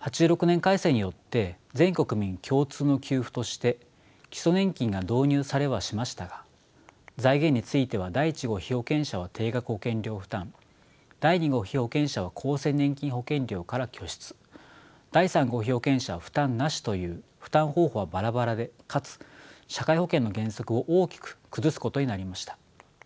８６年改正によって全国民共通の給付として基礎年金が導入されはしましたが財源については第１号被保険者は定額保険料負担第２号被保険者は厚生年金保険料から拠出第３号被保険者は負担なしという負担方法はバラバラでかつ社会保険の原則を大きく崩すことになりました。